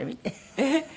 えっ！